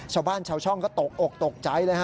ชาวบ้านชาวช่องก็ตกอกตกใจเลยฮ